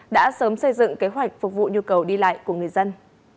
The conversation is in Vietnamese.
đã sớm xây dựng kế hoạch phục vụ nhu cầu đi lại của người dân